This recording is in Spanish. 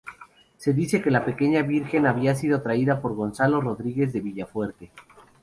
Se dice que la pequeña virgen había sido traída por Gonzalo Rodríguez de Villafuerte.